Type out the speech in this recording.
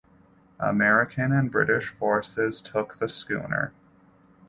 American and British forces took the schooner.